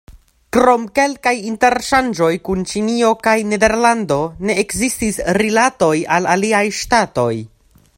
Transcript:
Krom kelkaj interŝanĝoj kun Ĉinio kaj Nederlando ne ekzistis rilatoj al aliaj ŝtatoj.